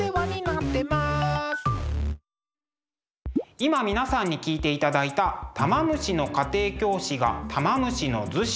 今皆さんに聴いていただいた「玉虫の家庭教師が玉虫厨子」。